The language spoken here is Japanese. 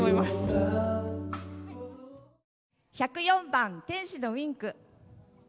１０４番「天使のウィンク」。